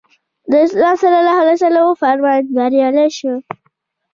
د اسلام پیغمبر ص وفرمایل بریالی شو.